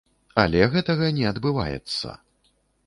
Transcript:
Але гэтага не адбываецца.